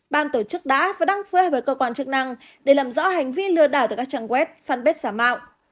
ban tổ chức đã và đang phơi với cơ quan chức năng để làm rõ hành vi lừa đảo từ các trang web fanpage xả mạo